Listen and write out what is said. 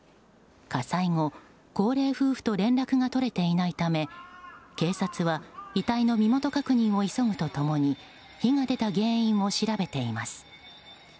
火災後、高齢夫婦と連絡が取れていないため警察は遺体の身元確認を急ぐと共に火が出た原因を調べています。